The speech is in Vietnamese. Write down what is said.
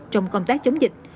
trong công tác chống dịch